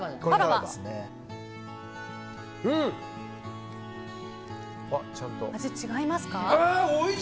味、違いますか？